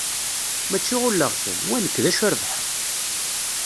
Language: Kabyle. Mačči ɣulleɣ-ten, wah nekk d acu rebḥeɣ?